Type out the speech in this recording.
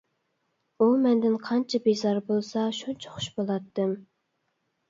ئۇ مەندىن قانچە بىزار بولسا شۇنچە خۇش بولاتتىم.